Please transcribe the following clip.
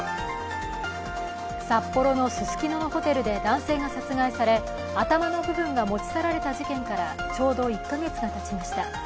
札幌のススキノのホテルで男性が殺害され頭の部分が持ち去られた事件からちょうど１か月がたちました。